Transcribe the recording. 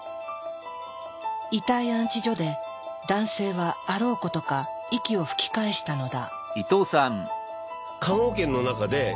遺体安置所で男性はあろうことか息を吹き返したのだ。